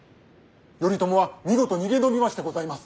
頼朝は見事逃げ延びましてございます。